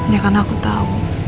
ya kan aku tahu